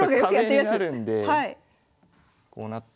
壁になるんでこうなって。